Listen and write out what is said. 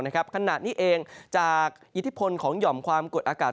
ขณะนี้เองจากอิทธิพลของหย่อมความกดอากาศ